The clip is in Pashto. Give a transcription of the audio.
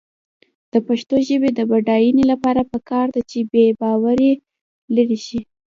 د پښتو ژبې د بډاینې لپاره پکار ده چې بېباوري لرې شي.